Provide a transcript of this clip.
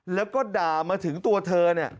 แล้วก็ด่ามาถึงตัวเธอ